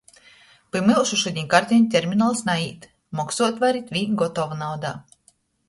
Pi myusu šudiņ karteņu terminals naīt, moksuot varit viņ gotovnaudā.